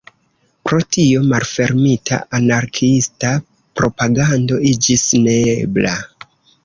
Pro tio malfermita anarkiista propagando iĝis neebla.